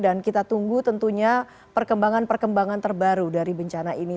dan kita tunggu tentunya perkembangan perkembangan terbaru dari bencana ini